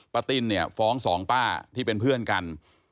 ป้าติ้นฟ้อง๒ป้าที่เป็นเพื่อนกัน